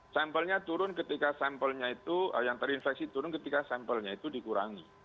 sampelnya turun ketika sampelnya itu yang terinfeksi turun ketika sampelnya itu dikurangi